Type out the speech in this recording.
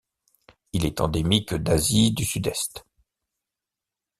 Il est endémique d'Asie du Sud-Est.